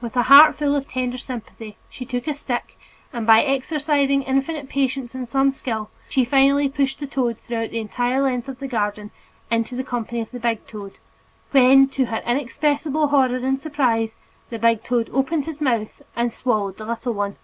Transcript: With a heart full of tender sympathy, she took a stick and by exercising infinite patience and some skill, she finally pushed the little toad through the entire length of the garden into the company of the big toad, when, to her inexpressible horror and surprise, the big toad opened his mouth and swallowed the little one.